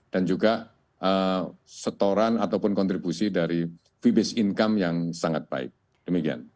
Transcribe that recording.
dan juga setoran ataupun kontribusi dari fee based income yang sangat baik demikian